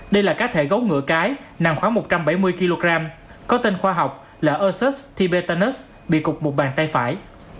đây là cá thể gấu ngựa cái nặng khoảng một trăm bảy mươi kg có tên khoa học là ursus tibetanus bị cục một bàn tay phải